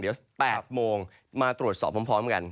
เดี๋ยว๘โมงมาตรวจสอบพร้อมกัน